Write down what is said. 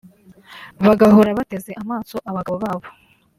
bagahora bateze amaso abagabo babo